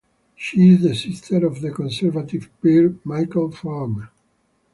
She is the sister of the Conservative peer Michael Farmer.